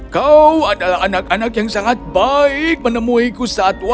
kau adalah anak anak yang sangat baik menemuiku saat waktu minum teh